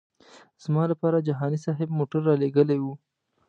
زما لپاره جهاني صاحب موټر رالېږلی و.